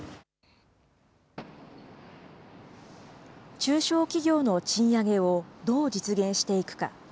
中小企業の賃上げをどう実現していくか。